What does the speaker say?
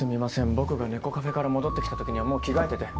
僕が猫カフェから戻ってきたときにはもう着替えてて。